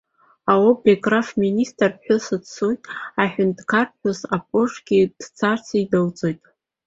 Аобергофмеистерԥҳәыс дцоит, аҳәынҭқарԥҳәыс апажгьы дцарц идылҵоит.